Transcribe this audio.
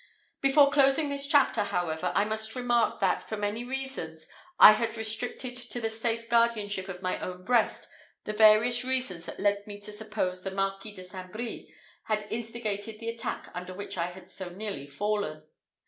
Before closing this chapter, however, I must remark that, for many reasons, I had restricted to the safe guardianship of my own breast the various reasons that led me to suppose the Marquis de St. Brie had instigated the attack under which I had so nearly fallen.